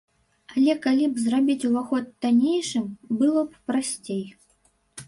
Але калі б зрабіць уваход таннейшым, было б прасцей.